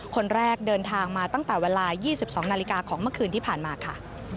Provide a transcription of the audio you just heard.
คนแรกเดินทางมาตั้งแต่เวลา๒๒นาฬิกาของเมื่อคืนที่ผ่านมาค่ะ